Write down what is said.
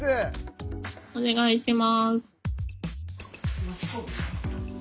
お願いします。